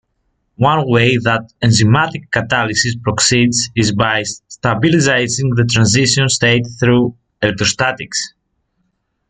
One way that enzymatic catalysis proceeds is by stabilizing the transition state through electrostatics.